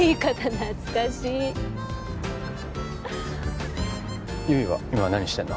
懐かしい悠依は今何してんの？